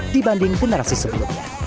dibanding generasi sebelumnya